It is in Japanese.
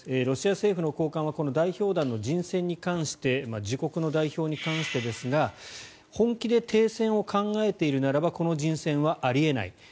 ロシア政府の高官はこの代表団の人選に関して自国の代表に関してですが本気で停戦を考えているならばこの人選はあり得ない。